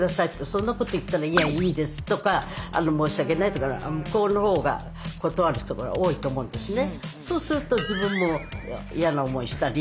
そんなこと言ったら「いやいいです」とか「申し訳ない」とか向こうの方が断わる人が多いと思うんですね。